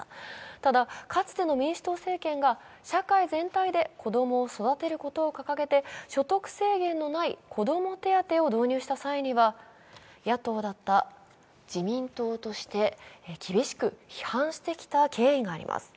ただ、かつての民主党政権が社会全体で子供を育てることを掲げて所得制限のない子ども手当を導入した際には、野党だった自民党として、厳しく批判してきた経緯があります。